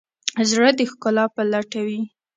زړه د ښکلا په لټه وي.